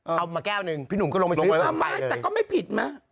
เอามาแก้วหนึ่งพี่หนุ่มก็ลงไปซื้อทำไมแต่ก็ไม่ผิดมั้ย